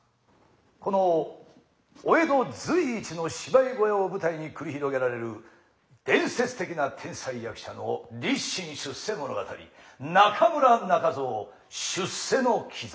このお江戸随一の芝居小屋を舞台に繰り広げられる伝説的な天才役者の立身出世物語「中村仲蔵出世階段」。